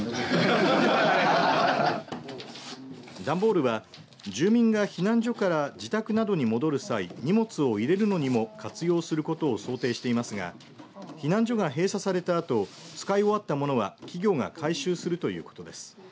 段ボールは住民が避難所から自宅などに戻る際、荷物を入れるのにも活用することを想定していますが避難所が閉鎖されたあと使い終わったものは企業が回収するということです。